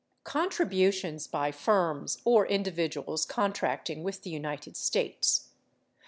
Contributions by firms or individuals contracting with the United States.